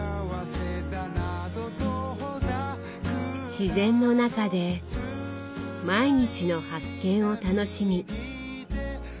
自然の中で毎日の発見を楽しみ。